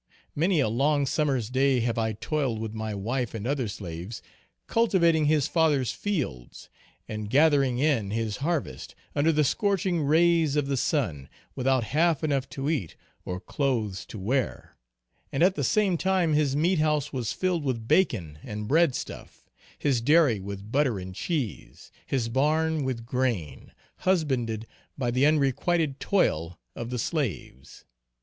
Many a long summer's day have I toiled with my wife and other slaves, cultivating his father's fields, and gathering in his harvest, under the scorching rays of the sun, without half enough to eat, or clothes to wear, and at the same time his meat house was filled with bacon and bread stuff; his dairy with butter and cheese; his barn with grain, husbanded by the unrequited toil of the slaves.